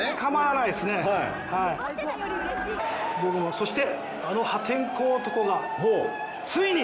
そしてあの破天荒男がついに！